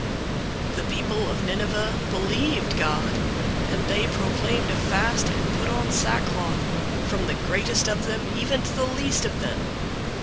003:005 The people of Nineveh believed God; and they proclaimed a fast, and put on sackcloth, from the greatest of them even to the least of them.